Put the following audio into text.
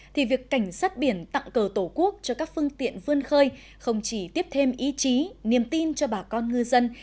thì việc cảnh sát biển tặng cờ tổ quốc cho các phương tiện vươn khơi không chỉ tiếp thêm ý chí niềm tin cho bà con ngư dân